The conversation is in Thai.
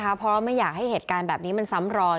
เพราะไม่อยากให้เหตุการณ์แบบนี้มันซ้ำรอย